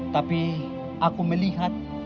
tapi aku melihat